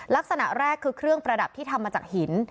ลักษณะแรกคือเครื่องประดับที่ทำมาจากหิน